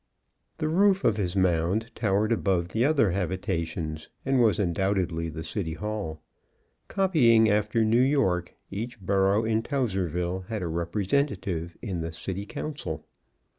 The roof of his mound towered above the other habitations, and was undoubtedly the City Hall. Copying after New York, each burrow in Towserville had a representative in the City Council.